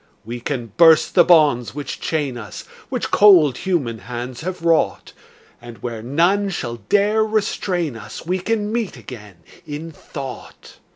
We can burst the bonds which chain us, Which cold human hands have wrought, And where none shall dare restrain us We can meet again, in thought.